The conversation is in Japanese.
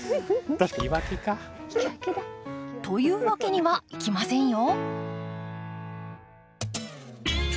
というわけにはいきませんよ。